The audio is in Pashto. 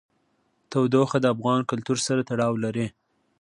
تودوخه د افغان کلتور سره تړاو لري.